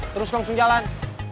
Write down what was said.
terus langsung jalan